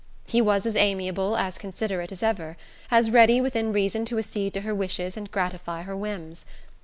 He was as amiable, as considerate as ever; as ready, within reason, to accede to her wishes and gratify her whims.